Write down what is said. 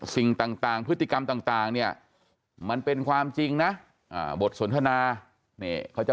สิ่งต่างพฤติกรรมต่างเนี่ยมันเป็นความจริงนะบทสนทนานี่เขาจะ